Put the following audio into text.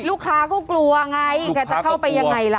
ลูกค้าก็กลัวไงแกจะเข้าไปยังไงล่ะ